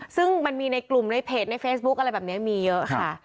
ซึ่งมันมีในกลุ่มในเพจในเฟซบุ๊คอะไรแบบนี้มีเยอะค่ะ